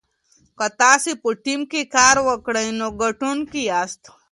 که تاسي په ټیم کې کار وکړئ نو ګټونکي یاست.